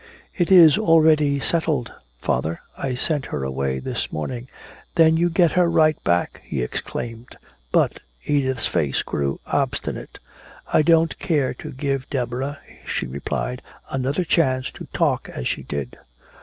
"It is already settled, father, I sent her away this morning." "Then you get her right back!" he exclaimed. But Edith's face grew obstinate. "I don't care to give Deborah," she replied, "another chance to talk as she did."